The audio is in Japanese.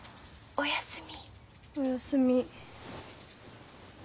お休み。